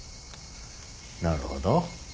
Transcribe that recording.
なるほど。